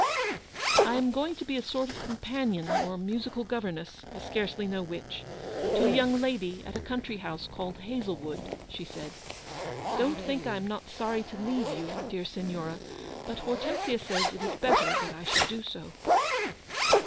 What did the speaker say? "I am going to be a sort of companion or musical governess — I scarcely know which — to a young lady at a country house called Hazlewood," she said. " Don't think I am not sorry to leave you, dear Signora, but Hortensia says it is better that I should do so."